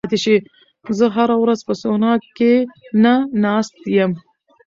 زه هره ورځ په سونا کې نه ناست یم.